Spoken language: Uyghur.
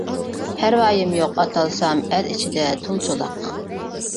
پەرۋايىم يوق ئاتالسام، ئەل ئىچىدە تۇل، چولاق.